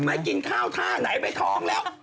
ไม่กินข้าวท่าไหนไปท้องแล้ว